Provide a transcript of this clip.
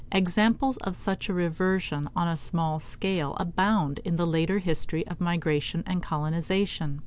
Examples of such a reversion on a small scale abound in the later history of migration and colonization.